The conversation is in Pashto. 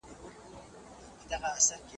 تاسو باید د خپلو ګاونډیانو حقونه وپېژنئ.